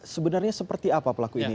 sebenarnya seperti apa pelaku ini